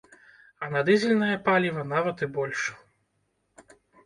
А на дызельнае паліва нават і больш.